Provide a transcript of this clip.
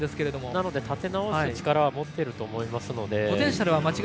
なので立て直す力は持っていると思いますので。